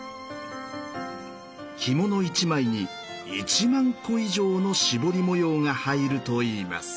着物１枚に１万個以上の絞り模様が入るといいます。